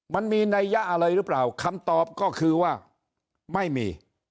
มันมีนัยยะอะไรหรือเปล่าคำตอบก็คือว่าไม่มี